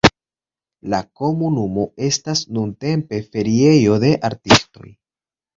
La komunumo estas nuntempe feriejo de artistoj.